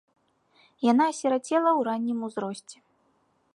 Яна асірацела ў раннім узросце.